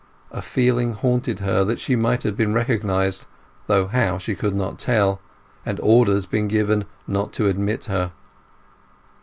A feeling haunted her that she might have been recognized (though how she could not tell), and orders been given not to admit her.